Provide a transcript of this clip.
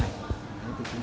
thì chúng tôi vẫn